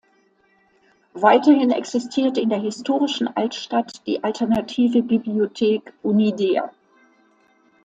Weiterhin existiert in der historischen Altstadt die alternative Bibliothek „Un’idea“.